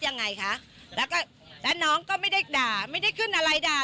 ยังไงคะแล้วก็แล้วน้องก็ไม่ได้ด่าไม่ได้ขึ้นอะไรด่า